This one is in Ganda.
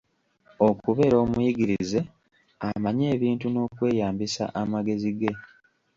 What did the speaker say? Okubeera omuyigirize, amanyi ebintu n'okweyambisa amagezi ge.